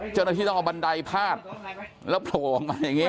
เจ้าหน้าที่ต้องเอาบันไดพาดแล้วโผล่ออกมาอย่างนี้